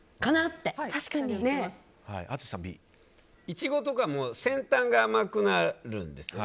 イチゴとかも先端が甘くなるんですよ。